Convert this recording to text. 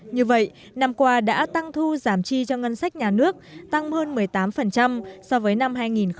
như vậy năm qua đã tăng thu giảm chi cho ngân sách nhà nước tăng hơn một mươi tám so với năm hai nghìn một mươi bảy